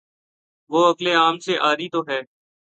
وہ عقل عام سے عاری تو ہے۔